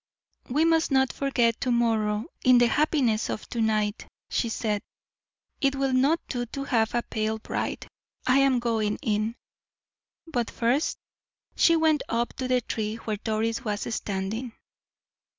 "We must not forget to morrow in the happiness of to night," she said; "it will not do to have a pale bride. I am going in." But first she went up to the tree where Doris was standing.